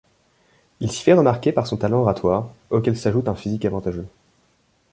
Il s'y fait remarquer par son talent oratoire, auquel s'ajoute un physique avantageux.